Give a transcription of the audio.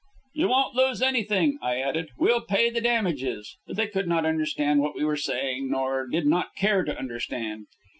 "You won't lose anything!" I added. "We'll pay the damages!" But they could not understand what we were saying, or did not care to understand.